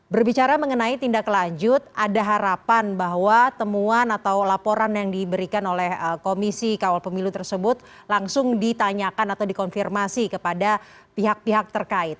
berbicara mengenai tindak lanjut ada harapan bahwa temuan atau laporan yang diberikan oleh komisi kawal pemilu tersebut langsung ditanyakan atau dikonfirmasi kepada pihak pihak terkait